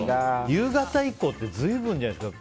夕方以降って随分じゃないですか。